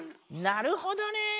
なるほどね。